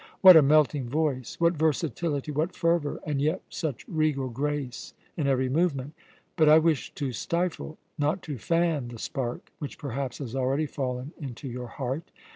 What a melting voice, what versatility, what fervour! And yet such regal grace in every movement! But I wish to stifle, not to fan, the spark which perhaps has already fallen into your heart.